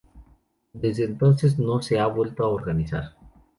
Desde entonces no se ha vuelto a organizar.